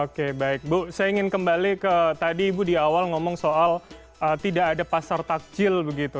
oke baik bu saya ingin kembali ke tadi ibu di awal ngomong soal tidak ada pasar takjil begitu